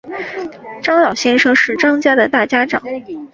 张老先生是张家的大家长